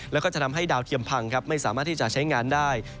แล้วก็จะทำให้ดาวเทียมพังครับไม่สามารถที่จะใช้งานได้